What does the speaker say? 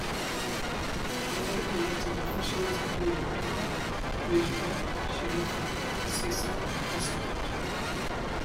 Other elected officials include clerk, treasurer, sheriff, assessor and prosecutor.